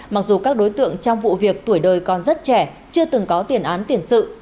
mặc dù các đối tượng trong vụ việc tuổi đời còn rất trẻ chưa từng có tiền án tiền sự